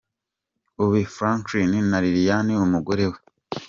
Ubi Franklin na Lilian umugore we.